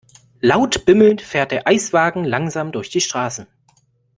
Laut bimmelnd fährt der Eiswagen langsam durch die Straßen.